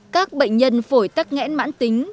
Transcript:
các bệnh nhân phổi tắc nghẽn mãn tính